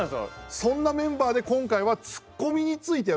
そんなメンバーで今回はツッコミについてやる。